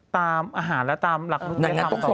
ตามอาหารและตามหลักธุรกิจทำ